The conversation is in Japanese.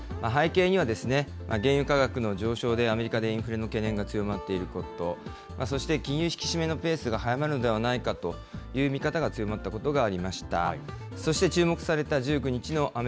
背景には、原油価格の上昇で、アメリカでインフレの懸念が強まっていること、そして金融引き締めのペースが速まるのではないかという見方が強まったことがありました。